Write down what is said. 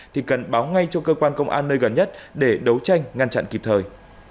thì cần báo ngay cho cơ quan công an nơi gần nhất để đấu tranh ngăn chặn kịp thời